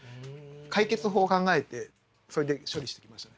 解決法を考えてそれで処理してきましたね。